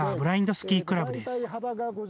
スキークラブです。